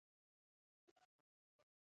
نه سحر مو څوک تپوس کړي نه ماښام ده چه ياديږم